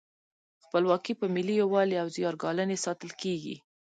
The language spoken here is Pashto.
خپلواکي په ملي یووالي او زیار ګالنې ساتل کیږي.